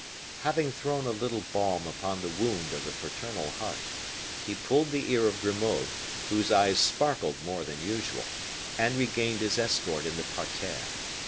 Having thrown a little balm upon the wound of the paternal heart, he pulled the ear of Grimaud, whose eyes sparkled more than usual, and regained his escort in the parterre.